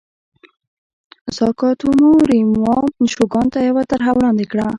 ساکاتومو ریوما شوګان ته یوه طرحه وړاندې کړه.